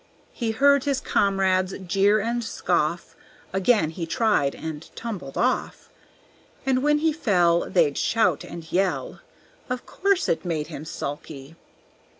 He heard his comrades jeer and scoff, Again he tried and tumbled off, And when he fell They'd shout and yell Of course it made him sulky.